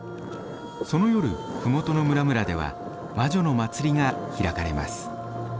その夜麓の村々では魔女の祭りが開かれます。